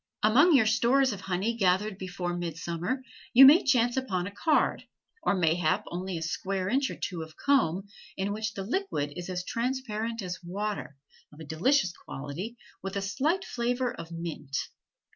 Among your stores of honey gathered before midsummer, you may chance upon a card, or mayhap only a square inch or two of comb, in which the liquid is as transparent as water, of a delicious quality, with a slight flavor of mint.